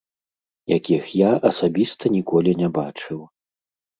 Якіх я асабіста ніколі не бачыў.